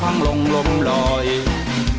ถ้าใครอยากรู้ว่าลุงพลมีโปรแกรมทำอะไรที่ไหนยังไง